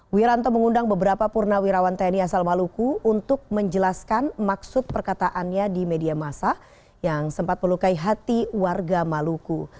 wiranto mengundang beberapa purnawirawan tni asal maluku untuk menjelaskan maksud perkataannya di media masa yang sempat melukai hati warga maluku